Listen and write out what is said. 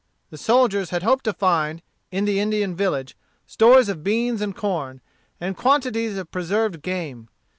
The soldiers had hoped to find, in the Indian village, stores of beans and corn, and quantities of preserved game.